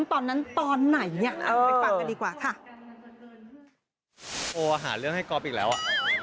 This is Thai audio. เต็มหุ่นกอโฟอาหารเรื่องให้ก็ไอ้กอบอีกแล้วอะ